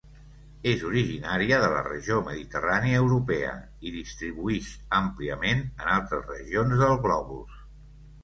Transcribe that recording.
És originària de la regió mediterrània europea i distribuïx àmpliament en altres regions del globus.